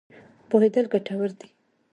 پوهېدل ګټور دی.